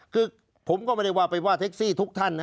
คือผมก็ไม่ได้ว่าไปว่าเท็กซี่ทุกท่านนะ